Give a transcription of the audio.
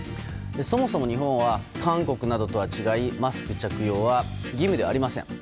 そもそも日本は韓国などとは違いマスク着用は義務ではありません。